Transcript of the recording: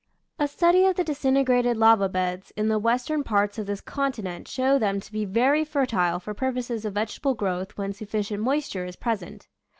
A study of the disintegrated lava beds in the western parts of this continent show them to be very fertile for purposes of vegetable growth when sufficient moisture is present.